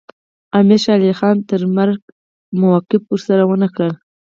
امیر شېر علي خان تر مرګه موافقه ورسره ونه کړه.